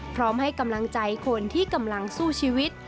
พร้อมให้กำลังใจคนที่กำลังสู้ชีวิต